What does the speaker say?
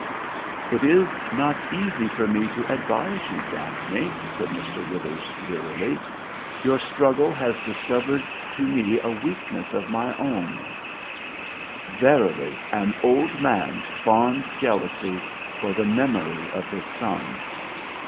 "It is not easy for me to advise you, Daphne," said Mr. Withers wearily. "Your struggle has discovered to me a weakness of my own: verily, an old man's fond jealousy for the memory of his son.